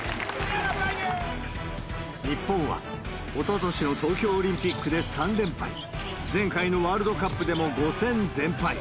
日本はおととしの東京オリンピックで３連敗、前回のワールドカップでも５戦全敗。